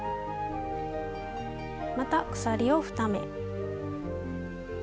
また鎖を２目。